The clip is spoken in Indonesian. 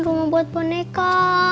rumah buat boneka